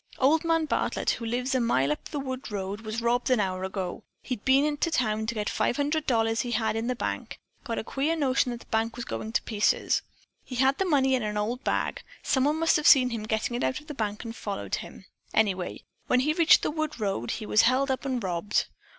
Old Man Bartlett, who lives a mile up the wood road, was robbed an hour ago. He'd been to town to get five hundred dollars he had in the bank; got a queer notion that the bank was going to pieces. He had the money in an old bag. Someone must have seen him getting it out of the bank and followed him. Anyway, when he reached the wood road, he was held up and robbed."